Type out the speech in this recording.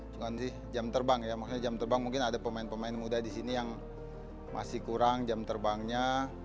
cuma sih jam terbang ya maksudnya jam terbang mungkin ada pemain pemain muda di sini yang masih kurang jam terbangnya